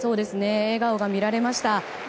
笑顔が見られました。